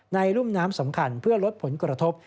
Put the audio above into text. รุ่มน้ำสำคัญเพื่อลดผลกระทบ